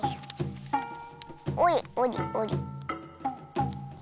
おりおりおり。